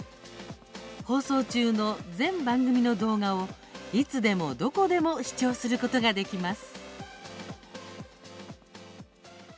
放送中の全番組の動画をいつでもどこでも視聴することができます。